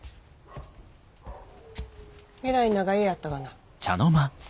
えらい長湯やったがな。